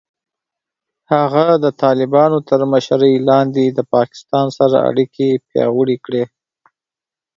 هغه د طالبانو تر مشرۍ لاندې د پاکستان سره اړیکې پیاوړې کړې.